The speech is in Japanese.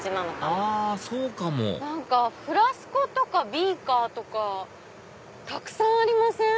あそうかも何かフラスコとかビーカーとかたくさんありません？